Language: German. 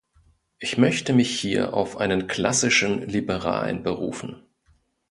Ich möchte mich hier auf einen klassischen Liberalen berufen.